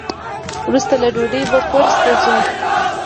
وروسته له ډوډۍ به کورس ته ځو.